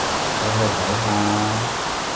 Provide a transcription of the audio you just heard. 你去睇下吖